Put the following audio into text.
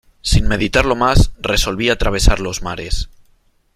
sin meditarlo más , resolví atravesar los mares .